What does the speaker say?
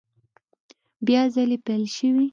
بیا ځلي پیل شوې